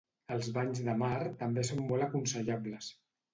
Els banys de mar també són molt aconsellables.